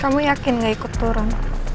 kamu yakin gak ikut turun